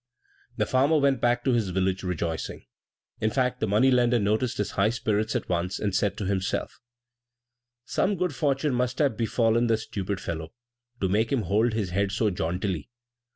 The farmer went back to his village rejoicing. In fact the money lender noticed his high spirits at once, and said to himself, "Some good fortune must have befallen the stupid fellow, to make him hold his head so jauntily."